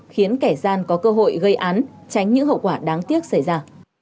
khiến kẻ gian có cơ hội gây án tránh những hậu quả đáng tiếc xảy ra